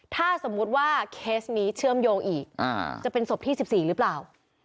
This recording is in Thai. ถ้าสมมุติว่าเคสนี้เชื่อมโยงอีกจะเป็นศพที่๑๔หรือเปล่า